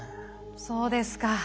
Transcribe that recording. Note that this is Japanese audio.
そうですか。